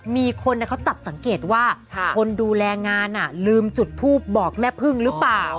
มีคนเขาจับสังเกตว่าคนดูแลงานลืมจุดทูปบอกแม่พึ่งหรือเปล่า